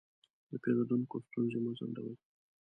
د پیرودونکو ستونزې مه ځنډوئ.